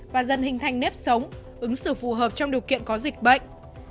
và dần hình thành nếp sống ứng xử phù hợp trong điều kiện có dịch bệnh